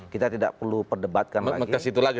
kita tidak perlu perdebatkan lagi